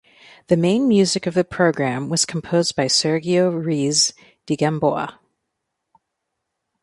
The main music of the program was composed by Sergio Ruiz de Gamboa.